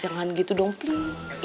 jangan gitu dong plis